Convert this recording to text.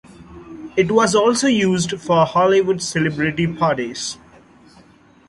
It was also used for Hollywood celebrity parties.